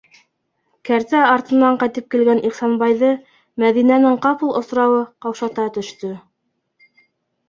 - Кәртә артынан ҡайтып килгән Ихсанбайҙы Мәҙинәнең ҡапыл осрауы ҡаушата төштө.